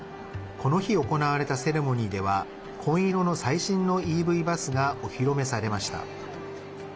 この日、行われたセレモニーでは紺色の最新のＥＶバスがお披露目されました。